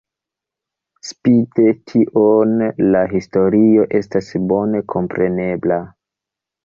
Spite tion la historio estas bone komprenebla.